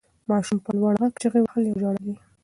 ماشوم په لوړ غږ چیغې وهلې او ژړل یې.